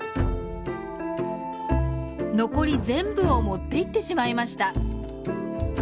残り全部を持っていってしまいました。